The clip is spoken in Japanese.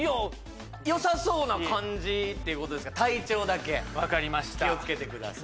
よさそうな感じっていうことですから体調だけ気をつけてください